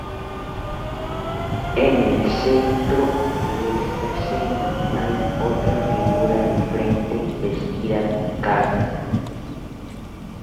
En el centro de esta escena hay otra figura de frente, vestida con capa.